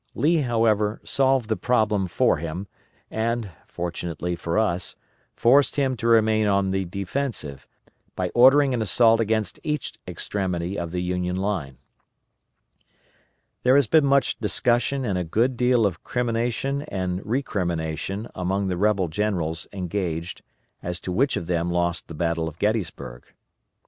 Lee, however, solved the problem for him, and, fortunately for us, forced him to remain on the defensive, by ordering an assault against each extremity of the Union line. There has been much discussion and a good deal of crimination and recrimination among the rebel generals engaged as to which of them lost the battle of Gettysburg.